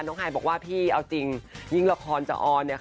ไฮบอกว่าพี่เอาจริงยิ่งละครจะออน